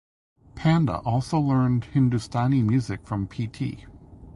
Panda also learned Hindustani music from Pt.